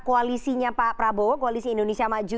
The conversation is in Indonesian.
koalisinya pak prabowo koalisi indonesia maju